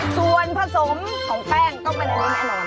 ส่วนผสมของแป้งของแป้งก็เป็นอันนี้นะ